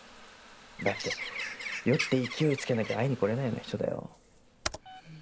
だって酔って勢いつけなきゃ会いに来れないような人だよ？